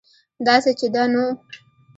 داسې چې ده نو